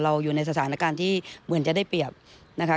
อยู่ในสถานการณ์ที่เหมือนจะได้เปรียบนะคะ